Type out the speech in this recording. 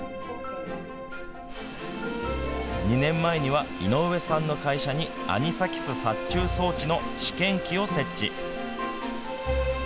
２年前には井上さんの会社にアニサキス殺虫装置の試験器を設置。